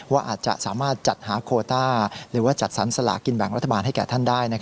ว่าอาจจะสามารถจัดหาโคต้าหรือว่าจัดสรรสลากินแบ่งรัฐบาลให้แก่ท่านได้